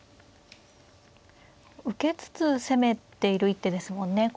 受けつつ攻めている一手ですもんね